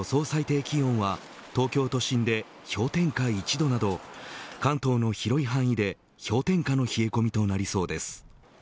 最低気温は東京都心で氷点下１度など関東の広い範囲で氷点下の冷え込みとなりそうです。